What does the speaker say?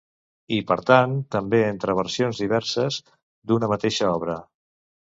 I, per tant, també entre versions diverses d'una mateixa obra.